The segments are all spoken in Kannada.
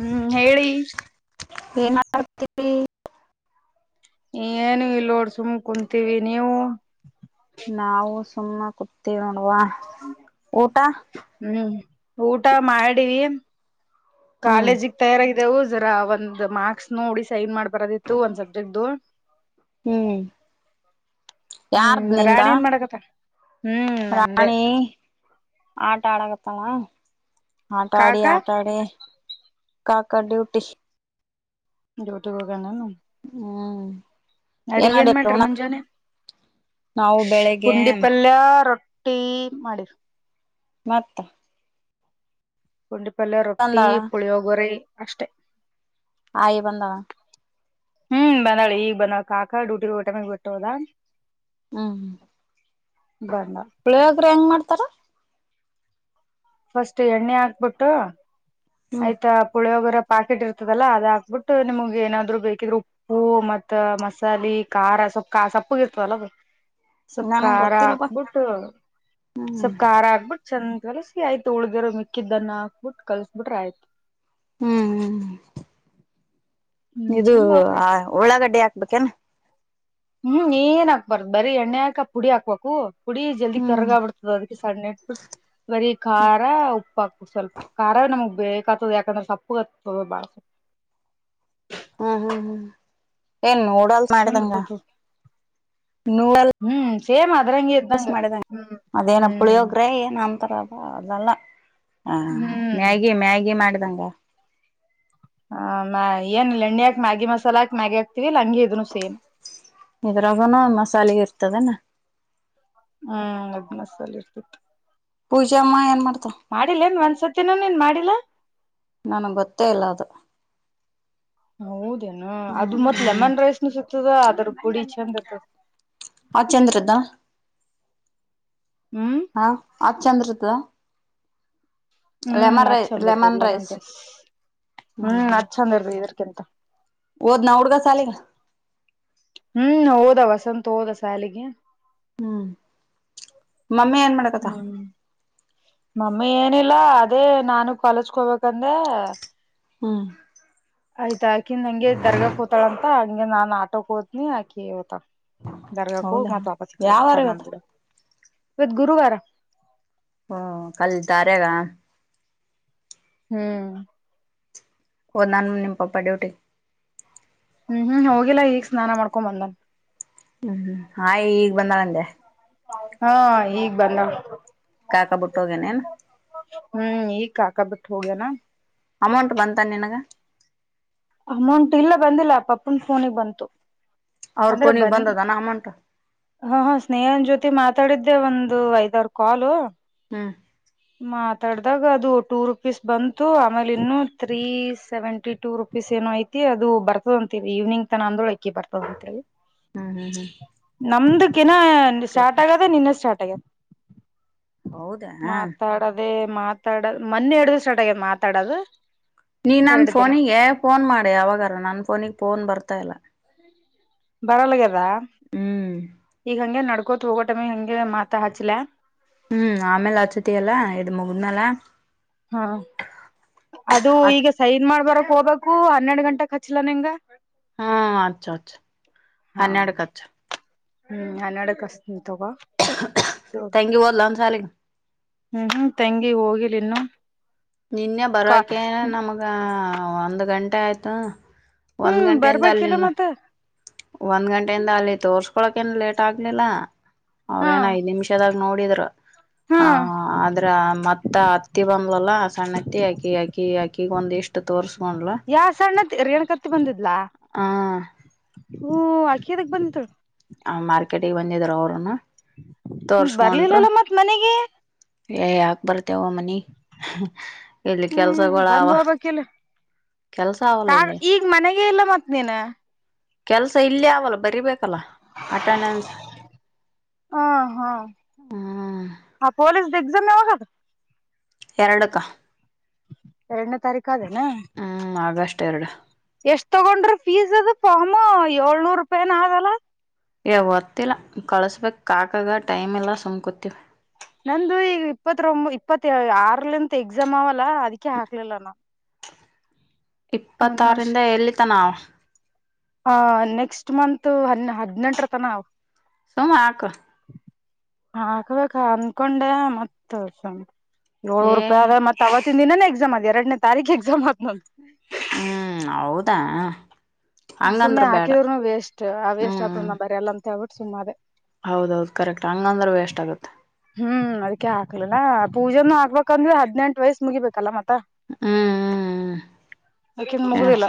ಹ್ಮ್ ಹೇಳಿ ಹ್ಮ ಏನು ಇಲ್ಲೋಡ್ ಸುಮ ಕುಂತೀವಿ ನೀವು ನಾವು ಸುಮ್ಮ ಕುತೀವಿ ನೋಡುವ ಊಟ ಹ್ಮ್ ಊಟ ಮಾಡಿವ ಹ್ಮ್ ಕಾಲೇಜಿಗೆ ತಯಾರಾಗಿ ದವು ಜರಾ ಒಂದ್ ಮಾರ್ಕ್ಸ್ ನೋಡಿ ಸೈನ್ ಮಾಡ್ ಬರದಿತ್ತು ಒಂದ್ ಸಬ್ಜೆಕ್ಟ್ ಹ್ಮ್ ಹ್ಮ್ ಯಾರ್ದ ನಿಂದ ರಾಣಿ ಏನ್ ಮಾಡಕತ್ತ ಹ್ಮ್ ನಂದೆ ರಾಣಿ ಆಟ ಆಡಗತ್ತ ಆಟಾ ಆಡಿ ಕಾಕಾ ಆಟಾಡಿ ಕಾಕ ಡ್ಯೂಟಿ ತೆಗೋಗಣನು ಹ್ಮ್ ನಡಗ ಏನ್ ಮಾಡಿರಿ ಮಾಡ್ರಿ ಉಣಕ್ ಮುಂಜಾನೆ ನಾವು ಬೆಳಿಗ್ಗೆ ಪುಂಡಿಪಲ್ಯ ರೊ ೀ ಮಾಡಿರ್ ಮತ್ತ ಕುಂಡಿಪಲ್ಲ ರೊಟ್ಟಿ ಬಂದಾಳ ಪುಳಿಯ ಗೊರಿ ಅಷ್ಟೇ ಆಯ ಬಂದ ಹ್ಮ್ ಬಂದಾಳಿ ಈಗ ಬಂದಳ ಕಾಕಾ ಡೂಟಿಗೆ ಟಮಗ್ ಬಿಟ್ಟವದ ಹ್ಮ್ ಬಂದಾಳ್ ಪುಳಿಯೋಗರು ಹೆಂಗ್ ಮಾಡ್ತಾರ ಫಸ್ಟ್ ಎಣ್ಣೆ ಹಾಕ್ಬಿಟ್ಟು ಹ್ಮ್ ಆಯ್ತಾ ಪುಳಿಯೋಗರ ಪಾಕೆಟ್ ಇರ್ತದಲ್ಲ ಅದ ಹಾಕ್ಬಿಟ್ಟು ನಿಮಗ್ ಏನಾದ್ರು ಬೇಕಿದರು ಉಪ್ಪು ಮತ್ ಮಸಾಲೆ ಖಾರ ಸೊಪ್ಪ ಸೊಪ್ಪುಗ ಇರ್ತದಲ್ಲ ಸ್ವಲ್ ನನಗ್ ಖಾರ ಗೊತ್ತಿಲ್ಲಪ್ಪಾ ಆಾಕ್ಬಿಟ್ಟು ಹ್ಮ್ ಸ್ವಲ್ಪ್ ಖಾರ ಆಕ್ಬಿಟ್ಟ ಚಂದ ಕೆಲಸಿ ಆಯ್ತು ಉಳಗರರು ಮಿಕ್ಕಿದ್ದನ್ನ ಹಾಕ್ಬಿಟ್ಟು ಕಲ್ಸಬಿಟ್ರೆ ಆಯ್ತು ಹ್ಮ್ ಹ್ಮ ಹ್ಮ್ ಇದು ಚಂದ ಆತು ಆ ಉಳ್ಳಾಗಡ್ಡೆ ಹಾಕ್ಬೇಕೇನಾ ಹ್ಮ್ ಏನ್ ಹಾಕ್ಬಾರ್ದು ಬರೀ ಎಣ್ಣೆಕ ಪುಡಿ ಹಾಕ್ಬೇಕು ಪುಡಿ ಜಲ್ದಿ ಹ್ಮ್ ಕರ್ಗ ಆ ಬರ್ತದ ಅದಕ್ಕೆ ಸಣ್ಣ ನಟ್ು ಬರೀ ಖಾರ ಉಪ್ಪ ಹಾಕ್ಬಿಟ್ಟ ಸ್ವಲ್ಪ ಖಾರ ನಮ್ಗ್ ಬೇೇಕ ಆತದೆ ಯಾಕಂದ್ರೆ ಸಪ್ಪುಗತ್ತತದೆ ಬಾಳ ಸ ಹ್ಮ್ ಹ್ಮ್ ಹ್ಮ್ ಏ ನೋಡಲ್ ಚಂದ ಮಾಡಿದಂಗ ಆತದ ನೂಡಲ್ ಹ್ಮ್ ಸೇಮ್ ಅದ್ರಂಗೆ ಯ ಇದ್ದಂಗ ಮಾಡಿದ ಹ್ಮ್ ಅದೇನ ಹ್ಮ್ ಪುಳಿಯೋಗ್ರೆ ನಮ ರದ ಅದೆಲ್ಲ ಹ ಹ್ಮ್ ಮ್ಯಾಗಿ ಮ್ಯಾಗಿ ಮಾಡಿದಂಗ ಹ ಏನ್ ಎಣ್ಣ್ಯಕ್ ಮ್ಯಾಗಿ ಮಸಾಲ ಹಾಕ್ ಮ್ಯಾಗಿ ಹ ಆಕ್ತಿ ಇದ್ರಾಗನ ಮಸಾಲೆೆಗೆ ಇರ್ತದನಾ ಹ್ಮ್ ಅದ್ಮಸಾಲ ಇರ್ತಿತ್ತು ಪೂಜಮ್ಮ ಏನ್ ಮಾಡ್ತಾರೆ ಮಾಡಿಲ್ಲೇನ್ ಒಂದ್ಸತಿನೂ ನೀನ್ ಮಾಡಿಲ್ಲ ನನ್ಗ್ ಗೊತ್ತೇ ಇಲ್ಲ ಅದು ಹೌದೇನು ಅದು ಹ್ಮ್ ಮತ್ ಹ್ಮ್ ಲೆಮನ್ ರೈಸ್ನು ಸಿತದ ಅದ್ರ ಪುಡಿ ಚಂದ ಇರ್ತದ ಹ ಚಂದ್ರದಾ ಹ್ಮ್ ಹಾ ಆ ಚಂದ್ತದ ಹ್ಮ್ ಅ ಚಂದ ಇರ್ತದ ಲೆಮನ್ ಡಸ್ ಹ್ಮ್ ಅ ಚಂದ ಇರ್ತ ಇದರ್ಕಿಂತ ಓದ ನ ಉಡುಗ ಚ ಹ್ಮ್ ಹೋದ ವಸಂತ ಹೋದ ಸಾಲಿಗೆ ಹ್ಮ್ ಮಮ್ಮಿ ಏನ್ ಮಾಡಕತ್ತ ಹ್ಮ್ ಮಮ್ಮಿ ಏನಿಲ್ಲ ಅದೇ ನಾನು ಕಲಸ್ಕೋಬೇಕಂದೆ ಹ್ಮ್ ಆಯ್ತಾ ಆಕಿ ನಂಗೆ ದರ್ಗಾ ಕತಾಳಂತ ಹಂಗೆ ನಾನ್ ಆಟೋ ಕೋತನಿ ಆಕಿ ತ ದರ್ಗಾಕ್ಕೆ ಹೋಗಿ ಹೌದಾ ಮತ್ ವಾಪಸ್ ಕಡಬೇಕ ಯಾವಾರ ಪ್ರಣಾಮ ಇವತ್ತ ಗಿಡ ಇವತ್ ಗುರುವಾರ ಹಓ ಕಲ್ತಾರೆಗ ಹ್ಮ್ ಒಂದ್ ನಾನ ನಿಮ್ ಪಾಪ ಡ್ಯೂಟಿ ಹ್ಮ್ ಹ್ಮ್ ಹೋಗಿಲ್ಲಾ ಈಗ್ ಸ್ನಾನ ಮಾಡ್ಕೊ ಬಂದನ್ ಹ್ಮ್ ಆಯ ಈಗ ಬಂದಾಳಂದೆ ಹಾ ಈಗ್ ಬಂದವು ಕಾಕ ಬಿಟ್ಟೋಗೇನೇನ್ ಹ್ಮ್ ಈಗ ಹಕ ಬಿಟ್ಟು ಹೋಗ್ಯನಾ ಅಮೌಂಟ್ ಬಂತನ್ ನಿನಗ ಅಮೌಂಟ್ ಇಲ್ಲ ಬಂದಿಲ್ಲ ಪಪೂನ್ ಫೋನಿಗೆ ಬಂತು ಅವ್ರ ಅಂದ್ರೆ ಫೋನಿಗೆ ಬನ್ ಬಂದದಾನ ಅಮೌಂಟ್ ಹ ಹಾ ಸ್ನೇಹನ್ ಜೊತೆ ಮಾತಾಡಿದ್ದೆ ಒಂದು ಐದ್ವಾರ ಕಾಲು ಹ್ಮ್ ದಡದಾಗ ಅದು ಟೂ ರುಪೀಸ್ ಬಂತು ಆಮೇಲೆ ಇನ್ನು ತ್ರೀ ಸೆವೆಂಟಿ ಟೂ ರುಪೀಸ್ ಏನೋ ಐತಿ ಅದು ಬರ್ತದ ಅಂತೀ ಈವ್ಗ್ ತನ ಅಂದ್ರಳ ಅಕಿ ಬರ್ತದ ಹ್ಮ್ ಹ್ಮ್ ನಮ್ದಕಿನ ಸ್ಟಾರ್ಟ್ ಹ್ಮ್ ಆಗ್ಯದ ನಿನ್ನೆ ಸ್ಟಾರ್ಟ್ ಆಗ್ಯದ ಹೌದಾ ಮಾತಾಡದೆೇ ಮಾತಾಡದು ಮೊನ್ನೆ ಹಡ್ದು ಸಟ್ ಆಗ್ಯದ ಮಾತಾಡದು ನೀ ನನ್ ಫೋನಿಗೆ ಫೋನ್ ಮಾಡಿ ಯಾವಾಗಾರ ನನ್ ಫೋನಿಗ್ ಫೋನ್ ಬರ್ತಾ ಇಲ್ಲ ಬರಲ್ಗದ ಹ್ಮ್ ಈಗ ಹಂಗೆ ನಡ್ ಕೋತ್ ಹೋಗೋಟಮೆ ಹೆಂಗ ಮಾತಾ ಹಾಚ್ಲ ಹ್ಮ್ ಆಮೇಲೆ ಅಚತಲ್ಲ ಇದು ಮುಗಮಾಲ ಹಾ ಅದು ಈಗ ಹಚ್ಚು ಸೈನ್ ಮಾಡ್ಬರೋ ಹೋಗಬೇಕು ಹನ್ನೆರಡು ಗಂಟೆಗೆ ಹಚ್ಲ್ಲ ನಿನ್ಗ ಹ್ಮ್ ಅಚ್ಚ ಅಚ್ಚ ಹಾ ಹನ್ನೆಡಕ್ಕೆಚ್ಚ ಹ್ಮ್ ಅನ್ನಡಕ್ಷ್ಟ ಗ ಯು ಬದಲನ್ ಸಾರಿ ಹ್ಮ್ ಹ್ಮ ತಂಗಿ ಹೋಗಿಲಿ ಇನ್ನು ನಿನ್ನೆ ಕಾ ಬರೋಕೆ ನಮ್ಗ ಒಂದು ಗಂಟೆ ಆಯ್ತು ಒಂದ್ ಹ್ಮ್ ಗಂಟೆಯಿಂದ ಬರ್ಬೇಕಿಲ್ಲ ಅಲ್ಲಿನ್ನ ಮತ್ತ ಒಂದ್ ಗಂಟೆಯಿಂದ ಅಲ್ಲಿ ತೋರ್ಸ್ಕೊಳಕ ನ್ ಲೇಟ್ ಆಗ್ಲಿಲ್ಲ ಹಾ ಅವ್ರೇನ್ ಐದ್ ನಿಮಿಷದಾಗ ನೋಡಿದ್ರು ಹಾ ಹ ಆದ್ರ ಮತ್ತ ಅತ್ತಿ ಬಂಬ್ಲಲ್ಲ ಸಣ್ಣತ್ತಿ ಅಕಿ ಅಕಿ ಅಕ್ಕಿಗ ಒಂದ್ ಇಷ್ಟ ಇ ತೋರ್ರಿಸಗೊಂಡಲ್ಲ ಸಣ್ಣತ್ತ ರೇಣ ಕತಿ ಬಂದಿದ್ಲ ಹ್ಮ ಅಕ್ಕಿಯದಕ್ ಬಂದತ್ಳು ಆ ಮಾರ್ಕೆಟಿಗೆ ಬಂದಿದರು ಅವರುನು ತೋರ್ಸ್ಕೊಂಡ್ರು ಬರ್ಲಿಲ್ಲಲ್ಲ ಮತ್ತ್ ಮನೆಗೆ ಏ ಯಾಕ್ ಬರ್ತೇವ ಮನಿ ಎಲ್ಲಿ ಹ್ಮ್ ಕೆಲ್ಸಗಳಾವ ಬಂದ್ ಹೋಗ್ಬೇಕಿಲ್ಲ ಕೆಲ್ಸ ಆಗಲ್ಲ ಇಲ್ಲಿ ಹ ಎಲ್ಲ ಮತ್ ನೀೇನಾ ಕೆಲ್ಸ ಇಲ್ಲಿ ಆಲ್ಲ ಬರಿಬೇಕಲ್ಲ ಆಠಣ ಅನ್ಸ ಹಾ ಹಾ ಹಾ ಪೊಲಸ್ ದಿಗ್ಮ ಯವಕ ಎರಡಕ್ಕ ಎರಡನೇ ತಾರೀಕು ದನಾ ಹ್ಮ್ ಆಗಸ್ಟ್ ಎರಡು ಎಷ್ಟ್ ತಗೊಂಡ್ರ ಫೀಸ್ ಅದು ಪಾಮ ಏಳ್ನೂರು ರೂಪಾಯನ ಆದಲ್ಲಾ ಹೊರ್ತಿಲ್ಲ ಕಳ್ಸ್ಬೇಕಕ್ ಕಾಕಾಗ ಟೈಮ್ ಎಲ್ಲ ಸುಮ್ಕತಿೀವಿ ನಂದು ಈಗ ಇಪ್ಪತ್ೊ ಇಪ್ಪತ್ ಆರ್ಲಿಂತ ಎಕ್ಸಾಮ್ ಅವಲ್ಲ ಅದಕ್ಕೆೆ ಹಾಕ್ಲಿಲ್ಲ ನಾ ಇಪ್ಪತ್ತಾರಂದ ಎಲ್ಲಿಿತ ನಾವು ಹ ನೆಕ್ಸ್ಟ್ ಮಂತ್ ಹ ಹದ್ಿನೆಂಟರ ತನ ಆವ್ ಸುಮ್ಮ ಹಾಕ್ ಹಾಕ್ಬೇಕ ಅನ್ಕೊಂಡೆ ಮತ್ತ ಏಳೂರು ಏ ರೂಪಿದ ಮತ್ತ ಅವತ್ತಿನ ದಿನಾನ ಎಕ್ಸಾಮ್ ಆದ ಎರನೇ ತಾರೀಕ್ ಎಕ್ಸ್ಮ ಹ್ಮ್ ಹೌದಾ ಹಂಗಂದ್ರ ಸುಮ್ಮನೆ ಬೇಡ ಹಾಕಿದ್ರ್ನು ವೇಸ್ಟ್ ಆ ವೇಸ್ಟ್ ಹ್ಮ್ ಆದರುನ ಬರಿಯಲ್ಲ ಅಂತೇಳ್ಬಿಟ್ಟು ಸುಮ್ಮಾದ್ಯಾ ಹೌದೌದು ಕರೆಕ್ಟ್ ಹಂಗಂದ್ರ ವೇಷ್ಟ್ ಆಗುತ್ತ ಹ್ಮ್ ಅದಕ ಹಾಕ್ಲಿಲ್ಲ ಪೂಜೆನ ಹಾಕ್ಬೇಕಂದ್ವಿ ಹದ್ನೆಂಟು ವಯಸ್ಸ ಮುಗಿಬೇಕಲ್ಲ ಮತ್ತೆ ಹ್ಮ್ ಅಕಿಂದ ಹ್ಮ್ ಮುಗಿಲ್ಲ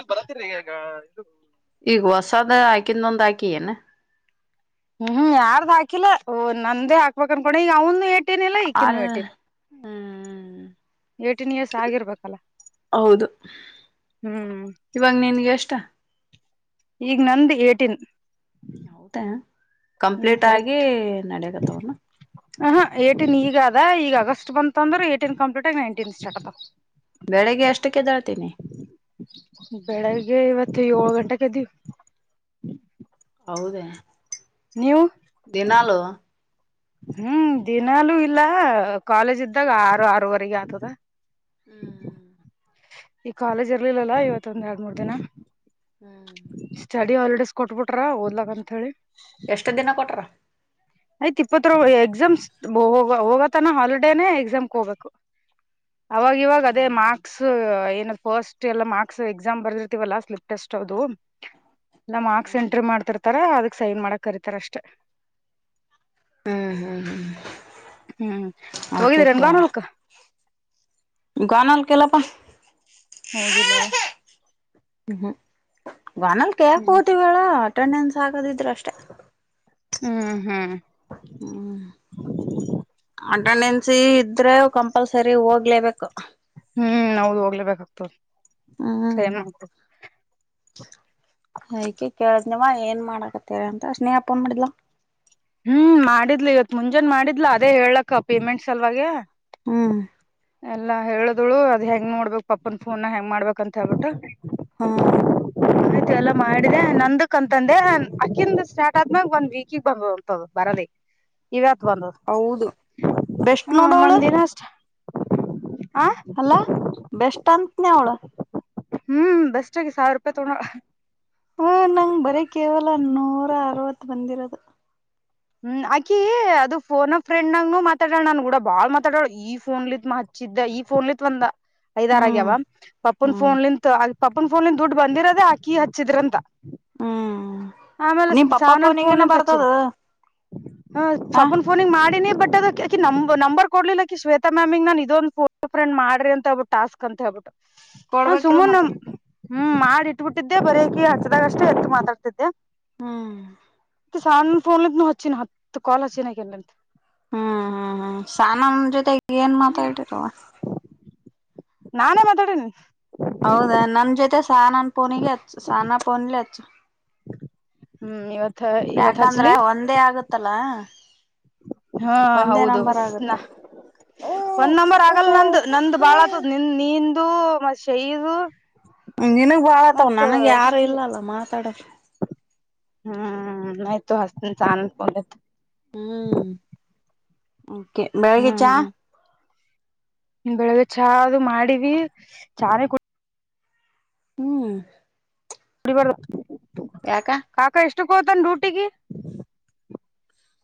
ಈಗ ಹೊಸದ ಹಾಕಿಂದೊಂದ ಹಾಕಿ ಏನ ಹ್ಮ್ ಯಾರ್ದು ಹಾಕಿಲ್ಲ ನಂದ್ದೇ ಹಾಕ್ಬೇಕಕ್ ಅನ್ಕೊಂಡ ಈಗ ಅವನು ಎ ಅ ಹ್ಮ್ ಏಟೀನ್ ಇಯರ್ಸ್ ಆಗಿರ್ಬೇಕಲ್ಲ ಹೌದು ಹ್ಮ್ ಇವಾಗ ನಿನ್ಗ ಎಷ್ಟ ಈಗ್ ನಂದ ಏಟಿನ್ ಹೌದಾ ನೀ ಕಂಪ್ಲೀಟ್ ಆಗಿ ಕರೆಕ್ಟ್ ನಡೆಗತ್ತವನು ಹ ಹ ಏೀನ್ ಈಗ ಅದ ಈಗ ಅಗಸ್ಟ್ ಬಂತ ಅಂದ್ರ ಏಟೀನ್ ಕಂಪ್ಲೀಟ್ ಆಿ ನೈನ್ಟೀನ್ ಸ್ಟಾರ್ಟ್ ಆತಾ ಬೆಳಿಗ್ಗೆ ಎಷ್ಟಕ್ಕೆದೇಳ್ತೀ ನಿ ಬೆಳಗ್ಗೆ ಇವತ್ತು ಯೋಳ್ ಗಂಟೆ ಕ ಎದ್ದಿವಿ ಹೌದ ನೀವು ದಿನಾಲು ಹ್ಮ್ ದಿನಾಲೂ ಇಲ್ಲ ಕಾಲೇಜ್ ಇದ್ದಾಗ ಆರು ಆರವರೆಗೆ ಆಗ್ತದ ಹಾ ಈ ಕಾಲೇಜ್ ಇರ್ಲಿಲ್ಲಲ್ಲಾ ಇವತ್ತ ಒಂದ್ ಎರಡ್ ಮೂರ್ ದಿನ ಹ್ಮ್ ಸ್ಟಡಿ ಹಾಲಿಡೇಸ್ ಕೊಟ್ಬಿಟ್ರ ಓದ್ಲಕ್ಕ ಅಂತ ಹೇಳಿ ಎಷ್ಟ ದಿನ ಕೊಟ್ರ ಆಯ್ತ್ ಇಪ್ಪತ್ರ ಎಕ್ಸಾಮ್ ಹೋಗ ಹೋಗತನ ಹಾಲಿಡೇನೆೇ ಎಕ್ಸಾಮ್ ಹೋಗ್ಬೇಕು [inaudible] ಅವಾಗ ಇವಾಗ ಅದೇ ಹ್ಮ್ ಹ್ಮ್ ಮಾರ್ಕ್ಸ್ ಏನದ್ ಫಸ್ಟ್ ಎಲ್ಲ ಮಾರ್ಕ್ಸ್ ಎಕ್ಸಾಮ್ ಬರೆದಿರ್ತಿೀವಲ್ಲ ಲಾಸ್ಟ್ ಪ್ ಟೆಸ್ಟ್ ಮಾಕ್ಸ್ ಎಂಟ್ರಿ ಮಾಡ್ತಿರ್ತರ್ ಸೈನ ಮಾಡಕ್ ಕರಿತಾರ ಅಷ್ಟೇ ಹ್ಮ್ ಹ್ಮ್ ಹ್ಮ್ ಹ್ಮ್ ಹೋಗಿದ್ದೀರನ್ಗ ನಲ್ಕ ಗ್ವಾನಲ್ಲ ಕೆಲ್ಲಪ್ಪ. ಹೋಗಿಲ್ಲಾ. ಹ್ಮ್ ವಾನಲ್ ಕೇಕ್ ಹ್ಮ್ ಕೂತಿವನ. ಅಟೆಂಡೆನ್ಸ್ ಆಗದಿದ್ರರು ಅಷ್ಟೇ. ಹ್ಮ್ ಹ್ಮ್. ಹ್ಮ. [unintelligible] [unintelligible] ಕಂಪಲ್ಸರಿ ಹೋಗ್ಲೆಬೇಕು. ಹ್ಮ್ ಹೌದು ಹೋಗ್ಲೇಬೇಕಾಗ್ತದ. ಹಯಕ ಕೇಳಿದ್ನವ ಏನ್ ಮಾಡಕತ್ತೀರ ಅಂತ ಸ್ನೇಹಾ ಪೋನ್ ಮಾಡಿದ್ಲ. ಹ್ಮ್ ಮಾಡಿದ್ಲಿ ಇವತ್ ಮುಂಜಾನ ಮಾಡಿದ್ಲ ಅದೇ ಹೇಳಕ್ಕ ಪೇಮೆಂಟ್ಸ್ಲ್ವಾಗ. ಹ್ಮ್. ಎಲ್ಲಾ ಹೇಳಿದ್ಳು ಅದ ಹೆಂಗ್ ನೋಡ್ಬೇಕಕ್ ಪಪನ್ ಫೋನ್ ಹೆಂಗ್ ಮಾಡ್ಬೇಕ ಅಂತ ಹೇಳ್ಬಿಟ್ಟ. ಹಾ. ಆಯ್ತು ಎಲ್ಲಾ ಮಾಡಿದೆ ನಂದಕ್ ಅಂತಂದೆ ಅಕಿಂದು ಸ್ಟಾರ್ಟ್ ಆದ್ಮ್ಯಾಗ ಒಂದ್ ವೀಕಗ್ ಬರ್ಬೋದು. [inaudible] ಬರಲಿ ಇವತ್ ಬಂದ ಹೌದು ಬೆಸ್ಟ್ ಹ್ಮ ನಮ ನೋಡವಳು ದಿನ ಅಷ್ಟ. ಅಲ ಬೆಸ್ಟ್ ಅತ್ನ ಅವಳ. ಹ್ಮ್ ಬೆಸ್ಟ್ ಆಗಿ ಸಾವಿರ ರೂಪಾಯಿ ತಗೋ ಹಾ ನಂಗ ಬರೀ ಕೇವಲ ನೂರ ಅರವತ್ ಬಂದಿರೋದು. ಹ್ಮ್ ಆಕಿ ಅದು ಫೋನ್ ಫ್ರೆಂಡ್ನಾಗೂ ಮಾತಾಡಳ ನನ್ ಕೂಡ ಬಾಳ್ ಮಾತಾಡೋಳ ಈ ಫೋನ್ಲಿತ್ ಮಾ. ದ್ದ ಈ ಫೋನ್ಲಿಂತ ಒಂದ್ ಐದ ಆಾರ ಆಗ್ಯಾವ ಹ್ಮ್ ಪಪ್ಪನ್ ಹ್ಮ್ ಫೋನ್ಲಿಂತ ಆ. ಪಪನ್ ಫೋನನ್ ದುಡ್ ಬಂದಿರದೇ ಆಕಿ ಹಚ್ಚಿದಿ ರಿಂದ. ಹ್ಮ್ ಆಮೇಲೆ ನಿಮ್ ಪಪ್ಪ ಸಾಣನ್ ಫೋನ್ ಫೋನಿಗನ ಬರ್ತದ ಅಚೇರಿ. ಹ ಪಪ್ಪುನ್ ಫೋನಿಗೆ ಮಾಡಿ. ಬಟ್ ಅದಕ್ಕೆಕ ನಂಬರ್ ಕೊಡ್ಲಿಲ್ಲಾವೇತ ಮ್ಯಾಮ್ಂಗ ನನ್ ಇದೊಂದುಫೋಫ್ರೆ ಮಾಡಿ ಅಂತ ಹೇಬಿ ಟಾಸ್ಕ್ ಅಂತ ಹೇಬಟ್ಟು. ಕೊಡ್ಬೇಕಿಲ್ಲ ಮತ್ತೆ. ಹ್ಮ್ ಮಾಡಿ ಇಟ್ಬಿಟ್ಟಿದ್ದೆ ಬರಕಿ ಹಚ್ಚದಾಗ ಅಷ್ಟೆ ಎತ್ ಮಾತಾಡ್ತಿದ್ದೆ. ಹ್ಮ್. ಸಣ್ಣ ಫೋನಿಂದ ಹಚ್ಚಿನಿ ಅದ್ ಕಾಲ ಚಿನ್ನಿ ಅದಕ್ಕೆ. ಹ್ಮ್ ಹ್ಮ್ ಹ್ಮ್ ಸಾನಮ ಜೊತೆಗೆ ಏನ್ ಮಾತಾಡಿರವ. ನಾನೇ ಮಾತಾಡೇನಿ. ಹೌದಾ ನನ್ ಜೊತೆ ಸಾನ ಪೋನಗೆ ಸನ ಪೋನಲ್ಲ ಅಚ್. ಹ್ಮ್ ಇವತ್. ಇವತ್ ಯಾಕಂದ್ರ ಹಚ್ಲಿ ಒಂದೇ ಆಗತ್ತಲ್ಲ. ಹಾ ಒಂದೇ ನಂಬರ್ ಹೌದುನಾ. ಆಗುತ್ತೆ ಒಂದ್ ನಂಬರ್ ಆಗಲ್ ನಂದು ನಂದು ಬಾಳ ಆತದ ನಿಂದ ನಿಂದು ಮ ಶೈದು. ನಿನಗ್ ಬಾಳ ಆತವ ಮತ್ ನನಗ್ ಯಾರು ಇಲ್ಲಲ್ಲ ಮಾತಾಡದ. ಹ್ಮ್ ಆಯ್ತು ಹಸತ. [unintelligible] ಹ್ಮ್ ಕೆ ಬೆಳಗ ಚಾ. ಬೆಳಗ್ಗೆ ಚಾ ಅದು ಮಾಡೀವಿ ಚಾನೆ ಕು. ಹ್ಮ್. ಕುಡಿ ಬಾರ [unintelligible] ಯಾಕಾ. ಇಷ್ಟು ಕೊತನಾ ಡ್ಯಟಿಗೆ.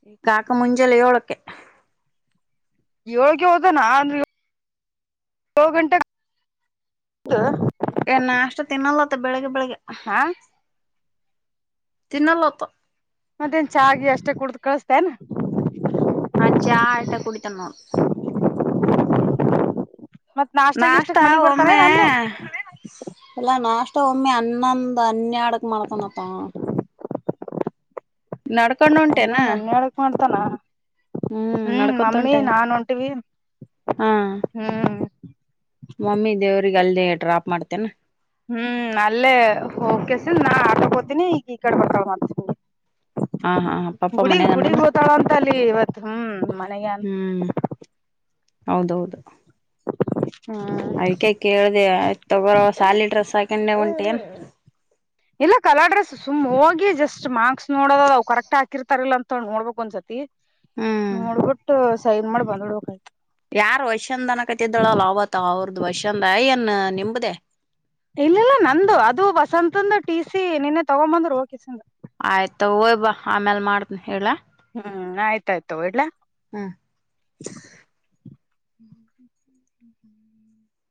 ಈ ಕಾಕಾ ಮುಂಜಲೆಯೋಳಕ್ಕೆ. ಏಳಗೆ ಹೋದನಾ ಅಂದ ಗಂಟೆಗೆ. ಏನ್ ಅಷ್ಟ ತಿನ್ನಲ್ಲತ್ತ ಬೆಳಿಗ್ ಬೆಳಿಗ್ಗೆ. ಹಾ ತಿನ್ನಲ್ಲಪ್ಪಾ. ಮತ್ತೇನ್ ಚಾಗಿ ಅಷ್ಟೇ ಕುಡ್ದು ಕಳಸ್ತೇನಾ. ಅ ಚಾ ಆಟ ಕುಡಿತನಾ ನೋಡು. ಮತ್ ನಾಷ್ಟಾಗಿ ಇಷ್ಟಕ್ ನಾಷ್ಟಾ ಮನಿಗ್ ಒಮ್ಮೆ ಬರ್ತಾರೇನ್ ಅಲ್ಲೇ ಎಲ್ಲಾ ನಾಷ್. ಮತ್ತ್ ಒಮ್ಮೆ ಹನ್ನೊಂದ್ ಹನ್ನೆರಡಕ್ ಮಾಡ್ತನಪ್ಪ ಅವನ್ ಹೊಂಟೇನಾ ಹನ್ನೊಂದು ಹನ್ನೇರಡಕ್ ಮಾಡ್ತಾನ ಹ್ಮ್ ನಡ್ಕೊಂತ ಮಮ್ಮಿ ಹೊಂಟೆ ನಾನ್ ಹೊಂಟೀವಿ ಹಾ ಹ್ಮ್ ಮಮ್ಮಿ ದೇವ್ರಿಗೆ ಅಲ್ದೆೇ ಡ್ರಾಪ್ ಮಾಡ್ತೇನಾ ಹ್ಮ್ ಅಲ್ಲೇ ಓಕೆಸಿಲ್ ನಾ ಆಟಕೋತೀನಿ ಈಕ್ ಈ ಕಡೆ ಬರತ್ತಾಳ್ ಮತ್ ಹಾ ಹಾ ಪಪ್ಪ ಗುಡಿಗ್ ಗುಡಿಗ್ ಮನ್ಯಾಗನಾನ ಹೋತಾಳ ಅಂತ ಅಲ್ಲಿ ಇವತ್ ಹ್ಮ್ ಮನೆಗನ್ ಹ್ಮ್ ಹೌದೌದು ಹ್ಮ್ ಅದಕ್ಕೆ ಕೇಳ್ದೆ ಆಗತ್ತಾವ ಶಾಲಿ ಡ್ರೆಸ್ ಹಾಕಂಡೆ ಉಂಟ್ಯಾನ್ ಇಲ್ಲ ಕಲರ್ ಡ್ರೆಸ್ ಸುಮ್ ಹೋಗಿ ಜಸ್ಟ್ ಮಾರ್ಕ್ಸ್ ನೋಡೋದೊ ಅವರ್ ಕರೆಕ್ಟ್ ಹಾಕಿರ್ತಾರಲ್ಲ ಅಂತ ನೋಡ್ಬೇಕ್ ಒಂದ್ಸತಿ ಹ್ಮ್ ನೋಡ್ಬಿಟ್ಟು ಸೈನ್ ಮಾಡಿ ಬಂದ್ ಬಿಡಬೇಕ್ ಆಯ್ತು ಯಾರ್ ವೈಶಂದನ ಕತಿದ್ದಳಲ್ಲ ಅವತ್ತ ಅವರದೂ ವೈಶಂದ ಏನ್ ನಿಂಬ್ದೆ ಇಲ್ಲಿಲ್ಲ್ ನಂದು ಅದು ವಸಂತಂದು ಟಿ ಸಿ ನೆನ್ನೆ ತಗೊ ಬಂದ್ರು ಹೋಗಿಸಂದ ಆಯ್ತ್ ಹೊತ್ತಿ ಬಾ ಆಮ್ಯಲ್ ಮಾಡ್ತೀನಿ ಇಡ್ಲಾ ಹ್ಮ್ ಆಯ್ತಾಯ್ತು ಇಡ್ಲಾ ಹ್ಮ್